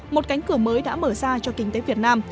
một cánh cửa mới đã mở ra cho kinh tế việt nam